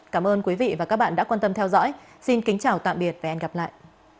cảm ơn quý vị và các bạn đã quan tâm theo dõi xin kính chào tạm biệt và hẹn gặp lại